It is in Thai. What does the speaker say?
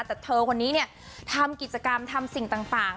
แต่เธอคนนี้เนี่ยทำกิจกรรมทำสิ่งต่าง